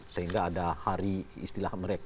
sehingga ada hari istilah mereka